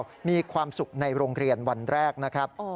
ลูกน้อยของเรามีความสุขในโรงเรียนวันแรกนะครับ